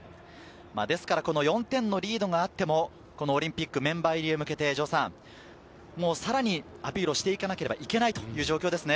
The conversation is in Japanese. ですから、この４点のリードがあっても、オリンピックメンバー入りへ向けて、さらにアピールをしていかなければいけないという状況ですね。